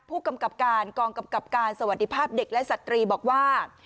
ผู้กำกับการกองกำกับการสวัสดีภาพเด็กและสตรีบอกว่า